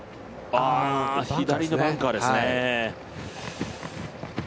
左のバンカーですね。